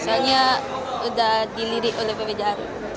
misalnya udah dilirik oleh ppjh